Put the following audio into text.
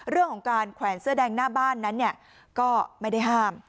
เรื่องของการแขวนเสื้อแดงหน้าบ้านนั้นเนี่ยก็ไม่ได้ห้าม